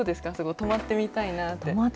泊まってみたいなぁって。